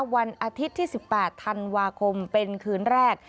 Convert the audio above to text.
วันอาทิตย์ที่๑๘ธันวาคมเป็นคืนแรก